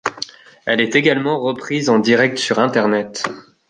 Elle est également reprise en direct sur internet.